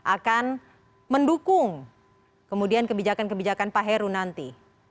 akan mendukung kemudian kebijakan kebijakan pak heru nanti